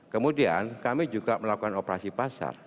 kemudian kami juga melakukan operasi pasar